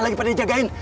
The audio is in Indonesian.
lagi pada dijagain